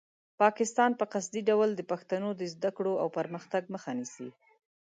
پاکستان په قصدي ډول د پښتنو د زده کړو او پرمختګ مخه نیسي.